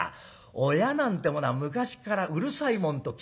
親なんてものは昔からうるさいもんと決まってます。